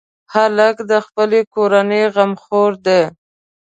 هلک د خپلې کورنۍ غمخور دی.